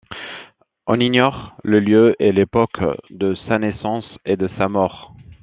On ignore le lieu et l'époque de sa naissance et de sa mort.